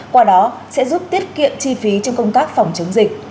qua đó sẽ giúp tiết kiệm chi phí trong công tác phòng chống dịch